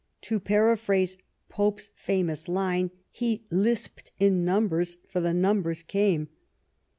To paraphrase Pope's famous line, he lisped in numbers, for the numbers came.